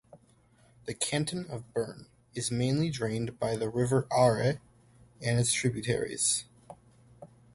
The canton of Bern is mainly drained by the river Aare and its tributaries.